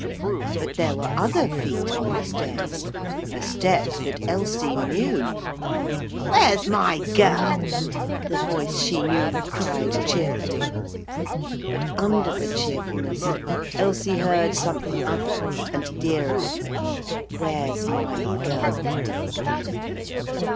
But there were other feet on the stairs a step that Elsie knew. 'Where's my girl?' the voice she knew cried cheerfully. But under the cheerfulness Elsie heard something other and dearer. 'Where's my girl?'